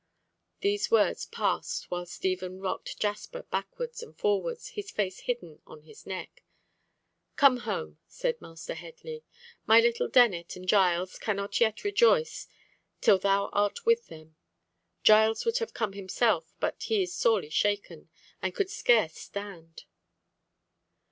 These words passed while Stephen rocked Jasper backwards and forwards, his face hidden on his neck. "Come home," added Master Headley. "My little Dennet and Giles cannot yet rejoice till thou art with them. Giles would have come himself, but he is sorely shaken, and could scarce stand."